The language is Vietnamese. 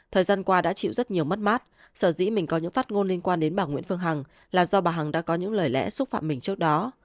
thời gian qua đã chịu rất nhiều mất mát sở dĩ mình có những phát ngôn liên quan đến bà nguyễn phương hằng là do bà hằng đã có những lời lẽ xúc phạm mình trước đó